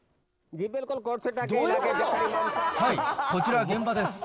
はい、こちら現場です。